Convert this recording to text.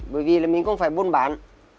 bởi vì là mình không phải buôn bán